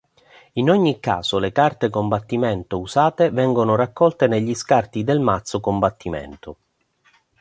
In ogni caso, le carte combattimento usate vengono raccolte negli scarti del mazzo combattimento.